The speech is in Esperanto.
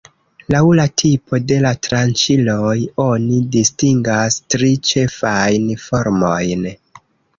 Laŭ la tipo de la tranĉiloj oni distingas tri ĉefajn formojn.